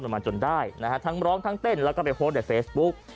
มาจนได้นะฮะทั้งร้องทั้งเต้นแล้วก็ไปโพสต์ในเฟซบุ๊ก